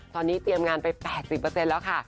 ตอนนี้เตรียมงานไป๘๐แล้วค่ะ